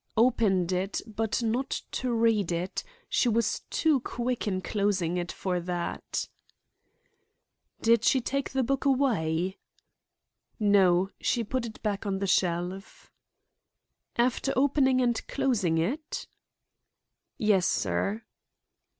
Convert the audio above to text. "Opened it, but not to read it. She was too quick in closing it for that." "Did she take the book away?" "No; she put it back on the shelf." "After opening and closing it?" "Yes, sir."